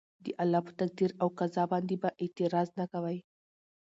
د الله په تقدير او قضاء باندي به اعتراض نه کوي